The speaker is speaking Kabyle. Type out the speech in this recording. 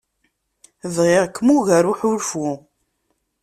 Bɣiɣ-kem ugar n uḥulfu.